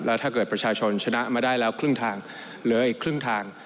ถ้าเกิดประชาชนชนะมาได้แล้วครึ่งทางเหลืออีกครึ่งทาง